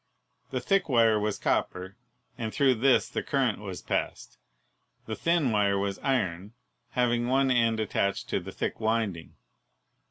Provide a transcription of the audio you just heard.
The thick wire was copper, and through this the current was passed. The thin wire was iron, having one end attached to the thick winding.